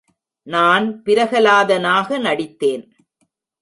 நான் பிரகலாதனாக நடித்தேன்.